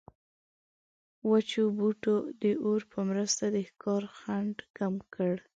وچو بوټو د اور په مرسته د ښکار خنډ کم کړ.